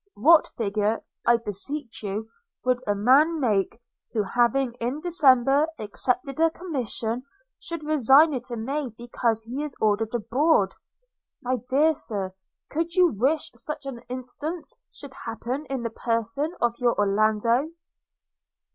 – What figure, I beseech you, would a man make, who having in December accepted a commission, should resign it in May because he is ordered abroad? My dear Sir, could you wish such an instance should happen in the person of your Orlando?'